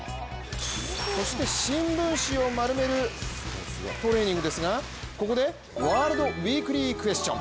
そして、新聞紙を丸めるトレーニングですがここで、ワールドウィークリークエスチョン。